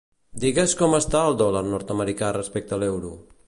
Digues com està el dòlar nord-americà respecte a l'euro?